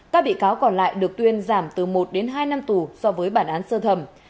các bị cáo còn lại được tuyên giảm từ một đến hai năm tù so với bản án sơ thẩm